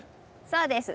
そうです。